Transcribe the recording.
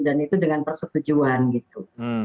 dan itu dengan persetujuan gitu